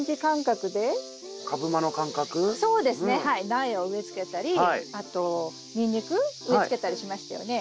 苗を植えつけたりあとニンニク植えつけたりしましたよね。